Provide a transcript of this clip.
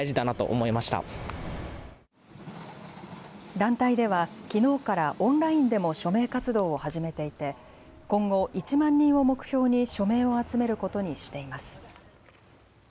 団体ではきのうからオンラインでも署名活動を始めていて今後、１万人を目標に署名を集めることにしています。